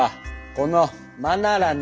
このマナラね。